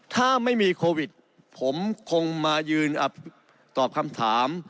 ถ้าไม่มีโควิดผมคงมายืนตอบคำถาม